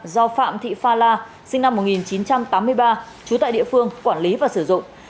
do phạm thị phala sinh năm một nghìn chín trăm tám mươi ba chú tại địa phương quản lý và xử dụng tài khoản facebook phala